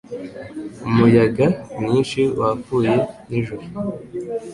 Umuyaga mwinshi wapfuye nijoro. (___)